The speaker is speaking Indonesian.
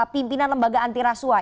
pimpinan lembaga anti rasuah